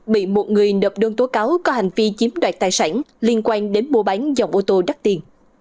bị một người nộp đơn tố cáo có hành vi chiếm đoạt tài sản liên quan đến mua bán dòng ô tô đắt tiền